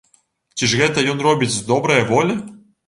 Ці ж гэта ён робіць з добрае волі?